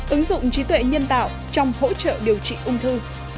ứng dụng trí tuệ nhân tạo trong hỗ trợ điều trị ung thư